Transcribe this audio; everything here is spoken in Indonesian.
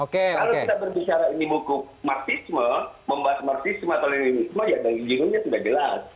kalau kita berbicara ini buku marxisme membahas marxisme atau leninisme ya dan jiwanya sudah jelas